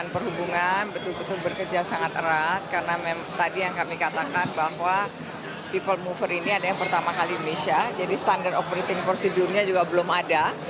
people mover ini adalah yang pertama kali di indonesia jadi standar operating procedure nya juga belum ada